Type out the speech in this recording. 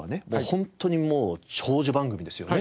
本当にもう長寿番組ですよね。